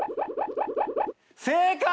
正解！